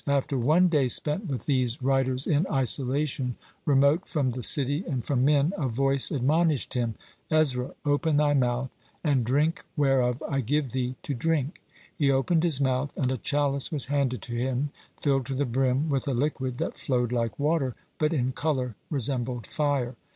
After one day spent with these writers in isolation, remote from the city and from men, a voice admonished him: "Ezra, open thy mouth, and drink whereof I give thee to drink." He opened his mouth, and a chalice was handed to him, filled to the brim with a liquid that flowed like water, but in color resembled fire.